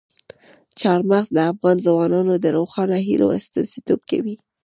چار مغز د افغان ځوانانو د روښانه هیلو استازیتوب کوي.